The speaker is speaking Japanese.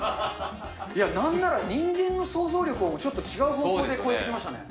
いや、なんなら人間の想像力をちょっと違う方向で超えてきましたね。